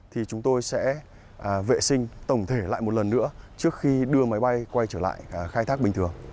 thì chúng tôi sẽ vệ sinh tổng thể lại một lần nữa trước khi đưa máy bay quay trở lại khai thác bình thường